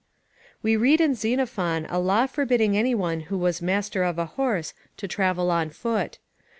We read in Xenophon a law forbidding any one who was master of a horse to travel on foot.